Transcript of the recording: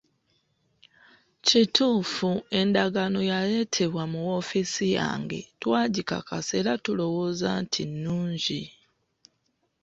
Kituufu, endagaano yaleetebwa mu woofiisi yange, twagikakasa era tulowooza nti nnungi.